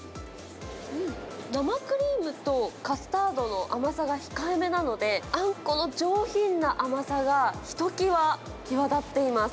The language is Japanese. うん、生クリームとカスタードの甘さが控えめなので、あんこの上品な甘さがひときわ際立っています。